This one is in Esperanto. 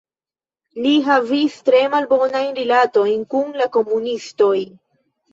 Li havis tre malbonajn rilatojn kun la komunistoj.